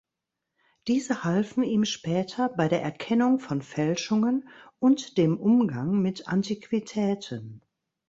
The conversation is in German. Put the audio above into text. Diese halfen ihm später bei der Erkennung von Fälschungen und dem Umgang mit Antiquitäten.